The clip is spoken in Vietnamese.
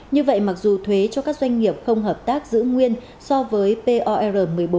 như vậy mặc dù thuế cho các doanh nghiệp không hợp tác giữ nguyên so với por một mươi bốn